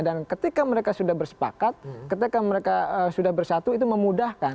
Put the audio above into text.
dan ketika mereka sudah bersepakat ketika mereka sudah bersatu itu memudahkan